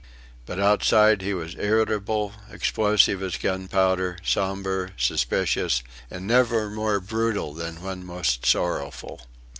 But outside he was irritable, explosive as gunpowder, sombre, suspicious, and never more brutal than when most sorrowful.